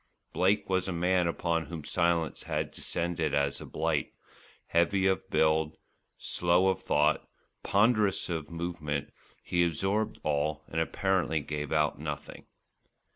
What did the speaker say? Blake was a man upon whom silence had descended as a blight; heavy of build, slow of thought, ponderous of movement, he absorbed all and apparently gave out nothing.